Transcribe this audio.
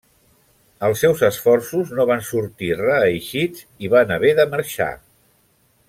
Els seus esforços no van sortir reeixits i van haver de marxar.